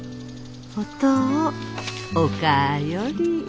おとうおかあより」。